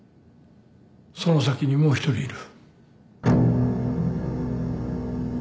その先にもう一人いる。